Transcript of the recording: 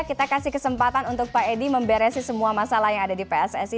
kita kasih kesempatan untuk pak edi memberesin semua masalah yang ada di pssi